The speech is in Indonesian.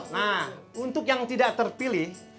nah untuk yang tidak terpilih